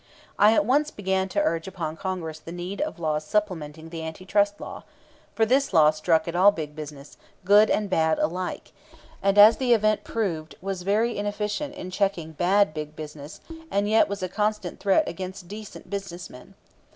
I at once began to urge upon Congress the need of laws supplementing the Anti Trust Law for this law struck at all big business, good and bad, alike, and as the event proved was very inefficient in checking bad big business, and yet was a constant threat against decent business men.